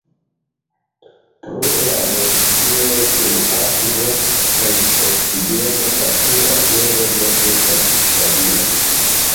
Pro la reakcioj kun akvo kaj oksigeno, la pura fero ne estas stabila.